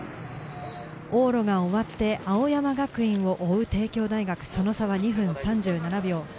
往路が終わって青山学院を追う帝京大学、その差は２分３７秒。